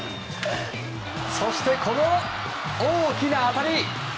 そして、この大きな当たり。